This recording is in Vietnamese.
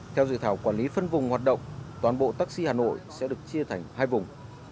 theo dự thảo quản lý phân vùng hoạt động toàn bộ taxi hà nội sẽ được chia thành hai vùng